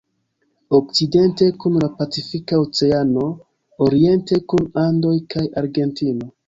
Okcidente kun la Pacifika Oceano, oriente kun Andoj kaj Argentino.